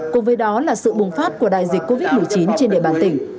cùng với đó là sự bùng phát của đại dịch covid một mươi chín trên địa bàn tỉnh